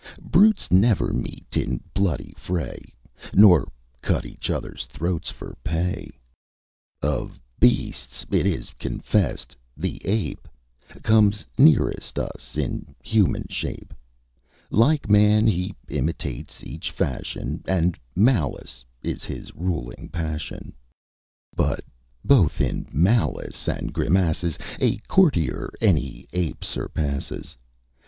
Brutes never meet in bloody fray, Nor cut each others' throats for pay. Of beasts, it is confessed, the ape Comes nearest us in human shape; Like man, he imitates each fashion, And malice is his ruling passion: But, both in malice and grimaces, A courtier any ape surpasses.